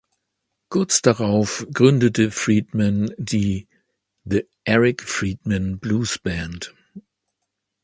Kurz darauf gründete Friedman die "The Eric Friedman Blues Band".